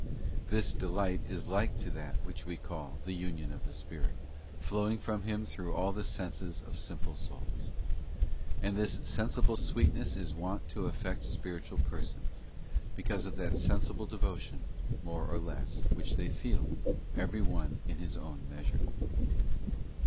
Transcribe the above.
This delight is like to that which we call the Union of the Spirit, flowing from Him through all the senses of simple souls. And this sensible sweetness is wont to affect spiritual persons, because of that sensible devotion, more or less, which they feel, every one in his own measure.